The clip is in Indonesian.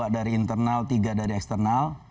dua dari internal tiga dari eksternal